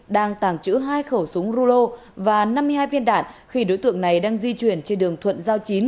đang tàng trữ hai khẩu súng rulo và năm mươi hai viên đạn khi đối tượng này đang di chuyển trên đường thuận giao chín